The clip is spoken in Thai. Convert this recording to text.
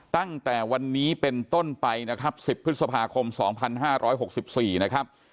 ตั้งแต่วันนี้เป็นต้นไปนะครับ๑๐พฤษภาคม๒๕๖๔นะครับ